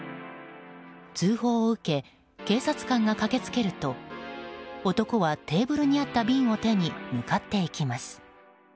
通報を受け警察官が駆けつけると男は、テーブルにあった瓶を手に向かっていきます。